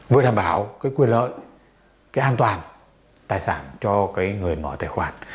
với đảm bảo quyền lợi an toàn tài sản cho người mở tài khoản